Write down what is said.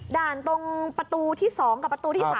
ด่านตรงประตูที่๒กับประตูที่๓